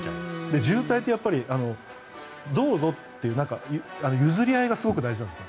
渋滞ってどうぞっていう譲り合いがすごく大事なんです。